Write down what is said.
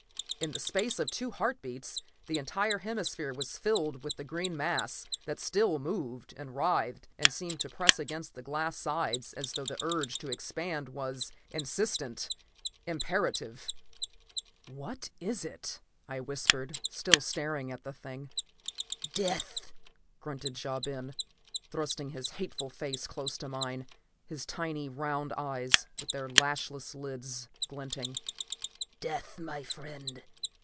_ In the space of two heart beats, the entire hemisphere was filled with the green mass, that still moved and writhed and seemed to press against the glass sides as though the urge to expand was insistent, imperative.... "What is it?" I whispered, still staring at the thing. "Death!" grunted Ja Ben, thrusting his hateful face close to mine, his tiny round eyes, with their lashless lids glinting. "Death, my friend.